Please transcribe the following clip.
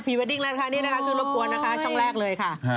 พีเวดดิ๊งแล้วค่ะโอ้โฮช่องแรกนะคะ